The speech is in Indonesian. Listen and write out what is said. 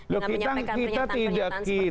dengan menyampaikan pernyataan pernyataan seperti itu